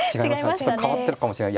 ちょっと変わってるかもしれない。